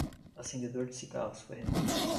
Acendedor de cigarros foi removido